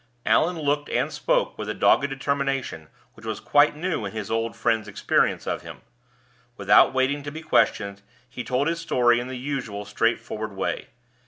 Allan looked and spoke with a dogged determination which was quite new in his old friend's experience of him. Without waiting to be questioned, he told his story in his usual straightforward way.